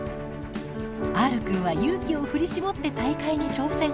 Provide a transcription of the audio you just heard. Ｒくんは勇気を振り絞って大会に挑戦。